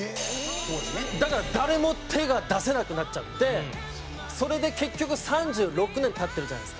だから誰も手が出せなくなっちゃってそれで結局３６年経ってるじゃないですか。